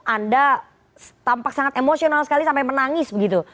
anda tampak sangat emosional sekali sampai menangis begitu